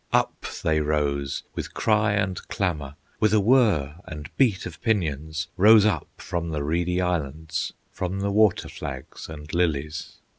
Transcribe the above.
Up they rose with cry and clamor, With a whir and beat of pinions, Rose up from the reedy Islands, From the water flags and lilies.